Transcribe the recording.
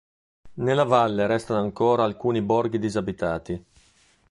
Nella valle restano ancora alcuni borghi disabitati.